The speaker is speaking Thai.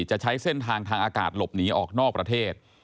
จะใช้เส้นทางทางอากาศหลบหนีออกนอกประเทศ